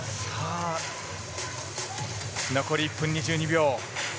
残り１分２２秒。